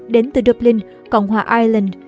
đến từ dublin cộng hòa ireland